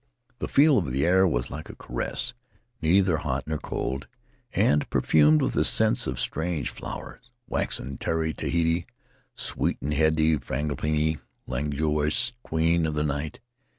The feel of the air was like a caress; neither hot nor cold, and perfumed with the scents of strange flowers — waxen Tiare Tahiti, sweet and heady frangipani, languorous Queen of the Night.